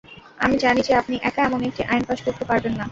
আমি জানি যে আপনি একা এমন একটি আইন পাস করতে পারবেন না।